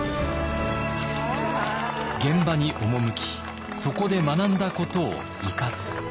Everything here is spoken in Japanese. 現場に赴きそこで学んだことを生かす。